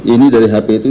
ini dari hp itu